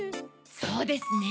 そうですね。